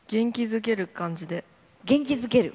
元気づける。